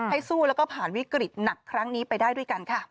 สู้แล้วก็ผ่านวิกฤตหนักครั้งนี้ไปได้ด้วยกันค่ะ